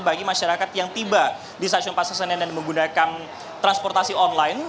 bagi masyarakat yang tiba di stasiun pasar senen dan menggunakan transportasi online